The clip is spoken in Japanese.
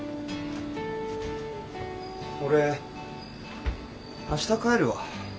俺明日帰るわ。